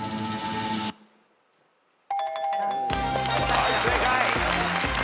はい正解。